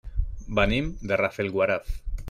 Venim de Rafelguaraf.